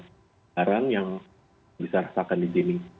kemarin yang bisa rasakan di sini